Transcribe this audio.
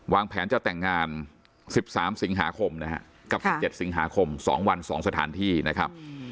วางแผนจะแต่งงาน๑๓สิงหาคมนะฮะกับ๑๗สิงหาคม๒วัน๒สถานที่นะครับ